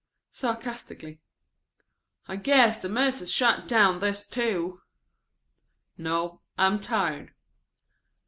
Sarcastically. ("I guess the Mis'es shut down on this, too.") "No, I'm tired."